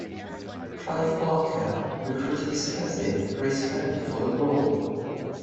Clive Barker recruited his cousin, Grace Kirby, for the role.